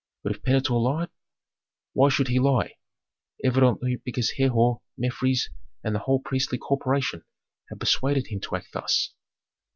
"But if Pentuer lied? Why should he lie? Evidently because Herhor, Mefres, and the whole priestly corporation had persuaded him to act thus.